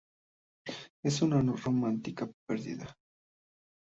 Es una romántica perdida.